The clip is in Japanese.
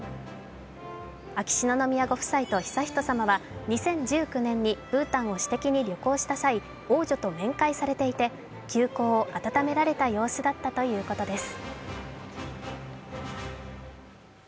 秋篠宮ご夫妻と悠仁さまは２０１９年にブータンを私的に旅行した際、王女と面会されていて旧交を温められた様子だったということです。